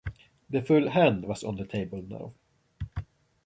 The full hand was on the table now.